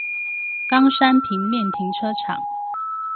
岡山平面停車場